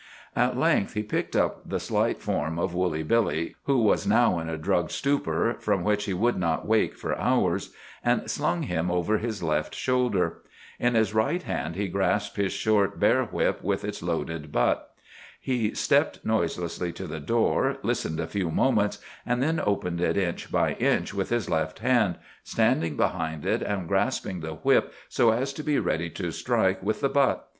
At length he picked up the slight form of Woolly Billy (who was now in a drugged stupor from which he would not awake for hours), and slung him over his left shoulder. In his right hand he grasped his short bear whip, with its loaded butt. He stepped noiselessly to the door, listened a few moments, and then opened it inch by inch with his left hand, standing behind it, and grasping the whip so as to be ready to strike with the butt.